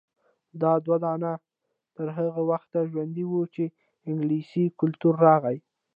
دا دودونه تر هغه وخته ژوندي وو چې انګلیسي کلتور راغی.